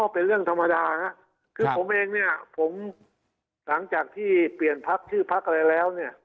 เป็นเรื่องธรรมดาคือผมเองเนี่ยผมหลังจากที่เปลี่ยนพักชื่อพักอะไรแล้วเนี่ย